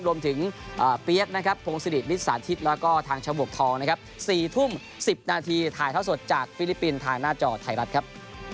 รวมถึงเปี๊ยกนะครับ